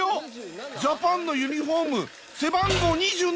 ジャパンのユニフォーム背番号２７！